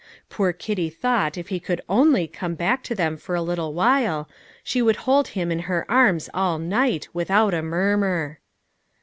Poor Kitty thought if he could only come back to them for a little while, she would hold him in her arms all night, without a murmur.